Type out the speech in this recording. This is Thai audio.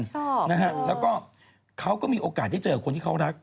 ชอบนะฮะแล้วก็เขาก็มีโอกาสได้เจอคนที่เขารัก